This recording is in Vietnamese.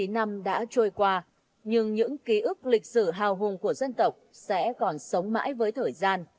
chín mươi năm đã trôi qua nhưng những ký ức lịch sử hào hùng của dân tộc sẽ còn sống mãi với thời gian